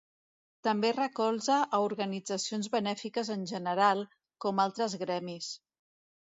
També recolza a organitzacions benèfiques en general, com altres gremis.